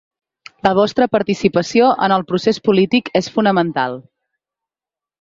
La vostra participació en el procés polític és fonamental.